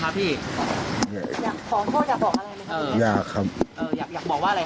ครับพี่อยากขอโทษอยากบอกอะไรอยากครับอยากบอกว่าอะไร